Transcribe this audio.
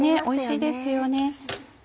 おいしいですよね。